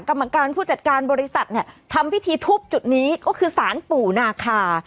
กรรมการผู้จัดการบริษัทเนี่ยทำพิธีทุบจุดนี้ก็คือสารปู่นาคา